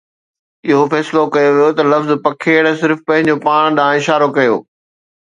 اهو فيصلو ڪيو ويو ته لفظ پکيڙ صرف پنهنجو پاڻ ڏانهن اشارو ڪيو